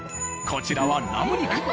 こちらはラム肉。